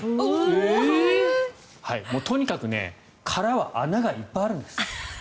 とにかく殻は穴がいっぱいあるんです。